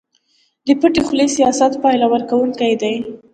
د پټې خولې سياست پايله ورکوونکی دی.